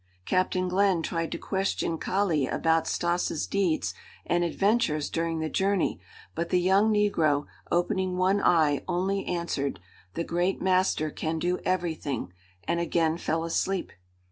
Captain Glenn tried to question Kali about Stas' deeds and adventures during the journey, but the young negro, opening one eye, only answered: "The great master can do everything," and again fell asleep.